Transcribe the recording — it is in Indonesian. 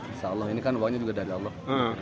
insya allah ini kan uangnya juga dari allah